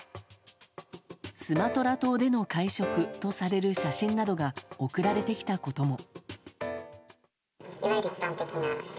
スマトラ島での会食とされる写真などが送られてきたことも。